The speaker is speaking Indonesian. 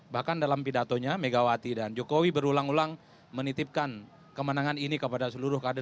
bahkan dalam pidatonya megawati dan jokowi berulang ulang menitipkan kemenangan ini kepada seluruh kader